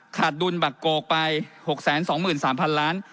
ขาดดุลบักโกกไป๖๒๓๐๐๐ล้าน